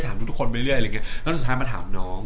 ถามทุกคนไปเรื่อยแล้วสุดท้ายมาถามน้อง